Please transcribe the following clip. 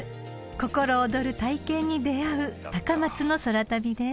［心躍る体験に出合う高松の空旅です］